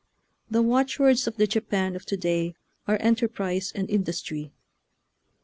The watchwords of the Japan of to day are enterprise and industry.